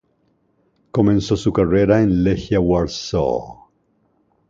Comenzó su carrera en Legia Warsaw.